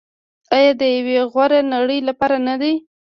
آیا د یوې غوره نړۍ لپاره نه دی؟